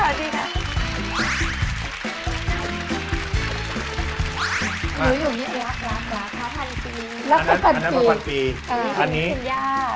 อันนี้แหลกเป็น๑๐๐๐อันนี้ย่า